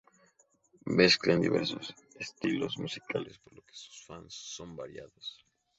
Mezclan diversos estilos musicales, por lo que sus fans son variados.